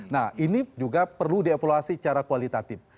nah ini juga perlu dievaluasi secara kualitatif